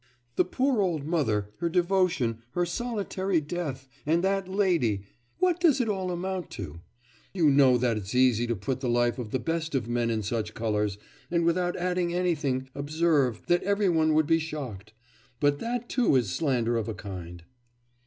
The poor old mother, her devotion, her solitary death, and that lady What does it all amount to? You know that it's easy to put the life of the best of men in such colours and without adding anything, observe that every one would be shocked! But that too is slander of a kind!